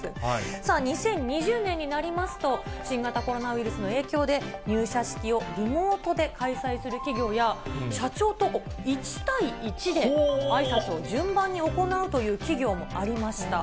さあ、２０２０年になりますと、新型コロナウイルスの影響で、入社式をリモートで開催する企業や、社長と１対１で、あいさつを順番に行うという企業もありました。